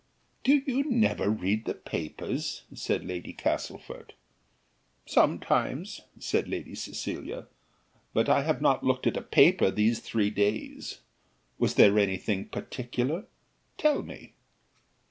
"Do you never read the papers?" said Lady Castlefort. "Sometimes," said Lady Cecilia; "but I have not looked at a paper these three days; was there any thing particular? tell me."